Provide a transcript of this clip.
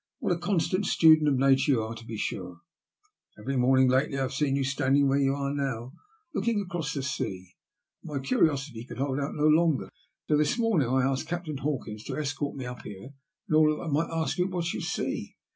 What a constant student of nature you are, to be sure. Every morning lately I have seen you standing where you are now, looking across the sea. My curiosity could hold out no longer, so this morning I asked Captain Hawkins to escort me up here in order that I might ask you what you see."